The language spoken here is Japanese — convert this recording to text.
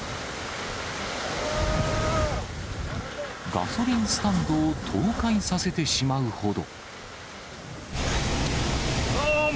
ガソリンスタンドを倒壊させてしまうほど。